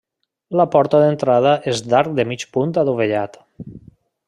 La porta d'entrada és d'arc de mig punt adovellat.